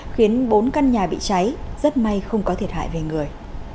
khiến bốn căn nhà bị cháy rất may không có thiệt hại về người